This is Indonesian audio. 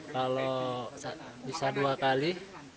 kalau bisa dua kali